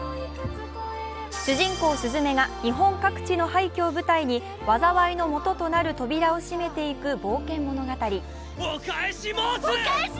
主人公・すずめが日本各地の廃墟を舞台に災いの元となる扉を閉めていく冒険物語。